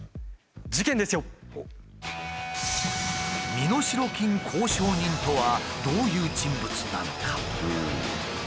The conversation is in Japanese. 「身代金交渉人」とはどういう人物なのか？